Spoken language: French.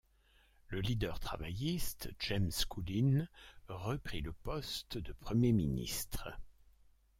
Le leader travailliste, James Scullin, reprit le poste de Premier ministre.